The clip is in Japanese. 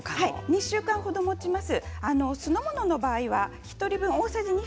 ２週間程もちます。